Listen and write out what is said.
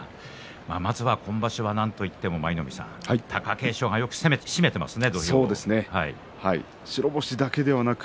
まずは今場所はなんといっても貴景勝がよく締めていますね。